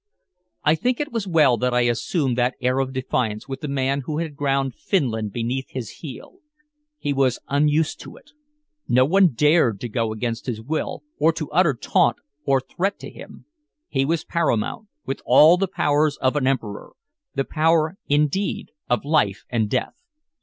I think it was well that I assumed that air of defiance with the man who had ground Finland beneath his heel. He was unused to it. No one dared to go against his will, or to utter taunt or threat to him. He was paramount, with all the powers of an emperor the power, indeed, of life and death.